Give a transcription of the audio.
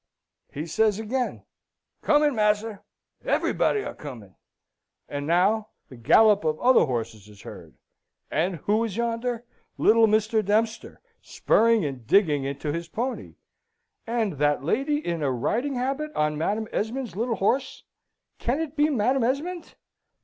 He says again, "Comin', mas'r. Everybody a comin'." And now, the gallop of other horses is heard. And who is yonder? Little Mr. Dempster, spurring and digging into his pony; and that lady in a riding habit on Madam Esmond's little horse, can it be Madam Esmond?